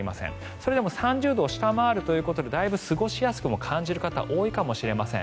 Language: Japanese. それでも３０度を下回るということでだいぶ過ごしやすくも感じる方多いかもしれません。